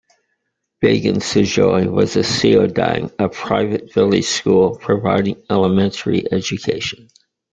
Baegun Seojae was a "seodang", a private village school providing elementary education.